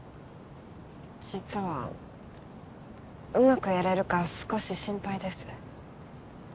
実はうまくやれるか少し心配です